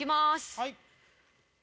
はい。